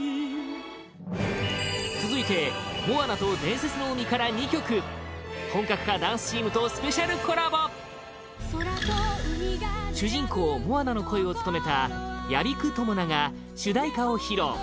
続いて「モアナと伝説の海」から２曲本格派ダンスチームとスペシャルコラボ主人公モアナの声を務めた屋比久知奈が主題歌を披露